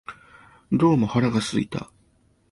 どうも腹が空いた